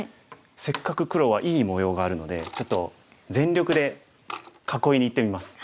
せっかく黒はいい模様があるのでちょっと全力で囲いにいってみます。